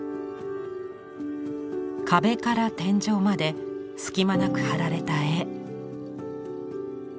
壁から天井まで隙間なく貼られた絵。